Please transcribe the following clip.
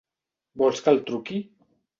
Vols que el truqui?